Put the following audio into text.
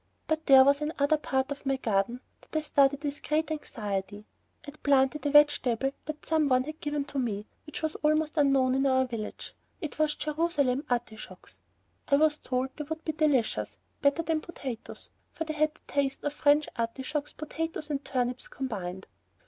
But there was another part of my garden that I studied with great anxiety. I had planted a vegetable that some one had given to me and which was almost unknown in our village; it was Jerusalem artichokes. I was told they would be delicious, better than potatoes, for they had the taste of French artichokes, potatoes, and turnips combined.